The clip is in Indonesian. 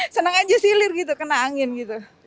senang aja silir gitu kena angin gitu